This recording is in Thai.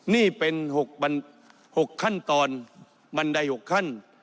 นี่เป็น๖ขั้นตอนบันได๖ขั้น